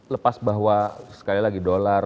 lepas bahwa sekali lagi dolar